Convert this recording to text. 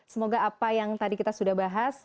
semoga apa yang tadi kita sudah bahas